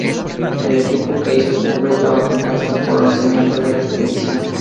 El equipo que hizo cumbre estaba compuesto por once miembros de la expedición.